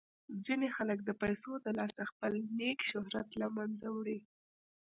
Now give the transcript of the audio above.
ځینې خلک د پیسو د لاسه خپل نیک شهرت له منځه وړي.